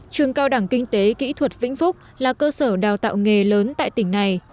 trường cao đẳng kinh tế kỹ thuật vĩnh phúc là cơ sở đào tạo nghề lớn tại tỉnh này